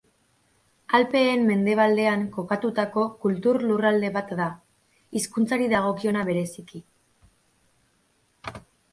Alpeen mendebaldean kokatutako kultur lurralde bat da, hizkuntzari dagokiona bereziki.